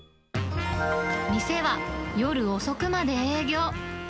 店は夜遅くまで営業。